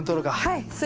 はい。